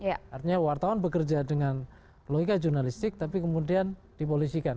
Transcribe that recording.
artinya wartawan bekerja dengan logika jurnalistik tapi kemudian dipolisikan